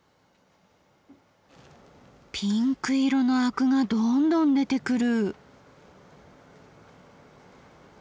ピンク色のアクがどんどん出てくる。